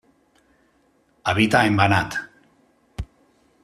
Habita en Banat.